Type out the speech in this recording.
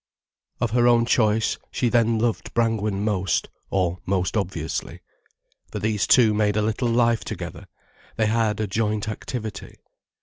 Of her own choice, she then loved Brangwen most, or most obviously. For these two made a little life together, they had a joint activity.